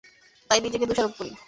তাই নিজেকে দোষারোপ করি!